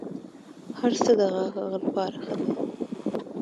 هرڅه د هغه لپاره ښه دي.